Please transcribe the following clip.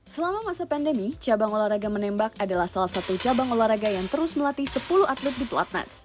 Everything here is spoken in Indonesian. selama masa pandemi cabang olahraga menembak adalah salah satu cabang olahraga yang terus melatih sepuluh atlet di pelatnas